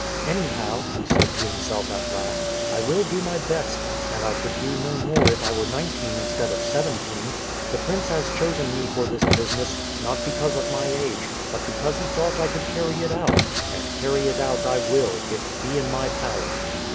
"Anyhow," he said to himself at last, "I will do my best; and I could do no more if I were nineteen instead of seventeen. The prince has chosen me for this business, not because of my age, but because he thought I could carry it out; and carry it out I will, if it be in my power."